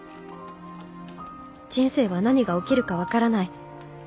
人生は何が起きるか分からない。